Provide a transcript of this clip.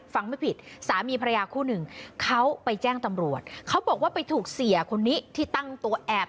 ไม่ผิดสามีภรรยาคู่หนึ่งเขาไปแจ้งตำรวจเขาบอกว่าไปถูกเสียคนนี้ที่ตั้งตัวแอบ